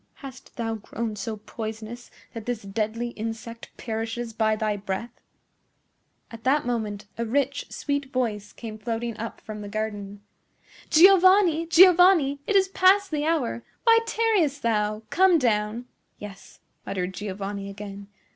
"Hast thou grown so poisonous that this deadly insect perishes by thy breath?" At that moment a rich, sweet voice came floating up from the garden. "Giovanni! Giovanni! It is past the hour! Why tarriest thou? Come down!" "Yes," muttered Giovanni again.